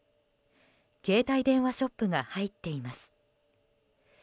携帯電話ショップが入っています。